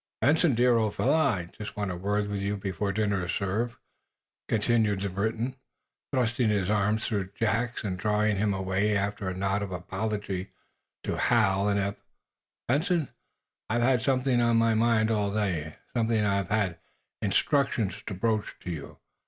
"Benson, dear old fellow, I want just a word with you before dinner is served," continued the Briton, thrusting his arm through Jack's and drawing him away after a nod of apology to Hal and Eph. "Benson, I've had something on my mind all day; something I have had instructions to broach to you.